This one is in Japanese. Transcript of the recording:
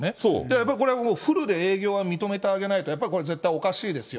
やっぱりこれ、フルで営業は認めてあげないと、やっぱりこれは絶対おかしいですよ。